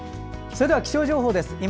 それでは気象情報です。